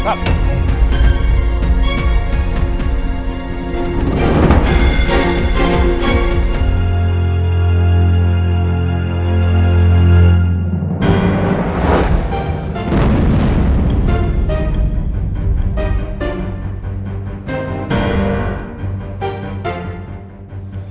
lo lihat sendiri kan